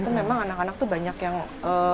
itu memang anak anak tuh banyak yang menggunakan buku ini